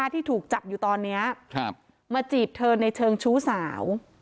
ที่ถูกจับอยู่ตอนนี้มาจีบเธอในเชิงชู้สาว